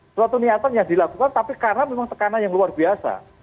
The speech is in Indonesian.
suatu niatan yang dilakukan tapi karena memang tekanan yang luar biasa